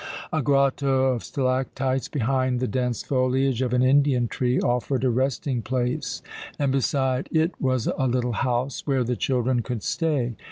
A grotto of stalactites behind the dense foliage of an Indian tree offered a resting place, and beside it was a little house where the children could stay.